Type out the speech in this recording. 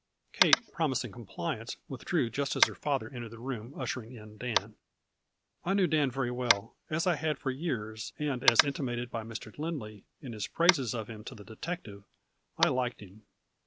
Kate, promising compliance, withdrew just as her father entered the room ushering in Dan. I knew Dan very well, as I had for years, and, as intimated by Mr. Lindley in his praises of him to the detective, I liked him.